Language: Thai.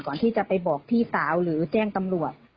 ก่อนที่จะไปบอกพี่สาวหรือแจ้งตำรวจ